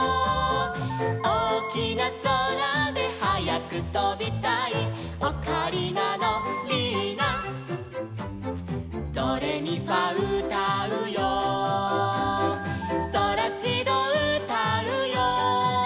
「おおきなそらではやくとびたい」「オカリナのリーナ」「ドレミファうたうよ」「ソラシドうたうよ」